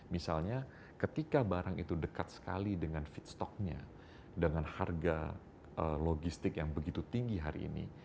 misalnya ketika barang itu dekat sekali dengan feed stocknya dengan harga logistik yang begitu tinggi hari ini